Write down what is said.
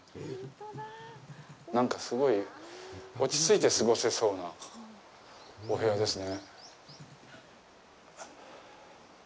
なんか、すごい落ち着いて過ごせそうなお部屋ですね。